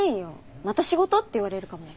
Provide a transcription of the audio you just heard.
「また仕事？」って言われるかもだけど。